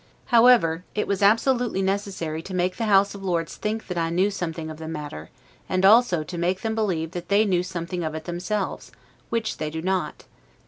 However, it was absolutely necessary to make the House of Lords think that I knew something of the matter; and also to make them believe that they knew something of it themselves, which they do not.